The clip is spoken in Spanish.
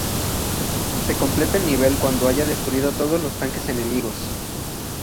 Se completa el nivel cuando haya destruido todos los tanques enemigos.